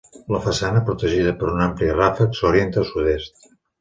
La façana, protegida per un ample ràfec, s'orienta a sud-oest.